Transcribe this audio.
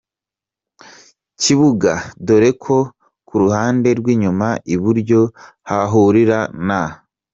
kibuga dore ko ku ruhande rw’inyuma iburyo, ahahurira na